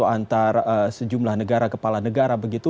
antara sejumlah negara kepala negara begitu